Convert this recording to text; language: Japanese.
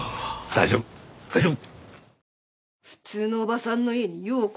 大丈夫大丈夫。